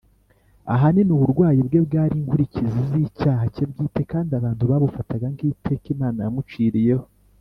. Ahanini, uburwayi bwe bwari inkurikizi z’icyaha cye bwite kandi abantu babufataga nk’iteka Imana yamuciriyeho.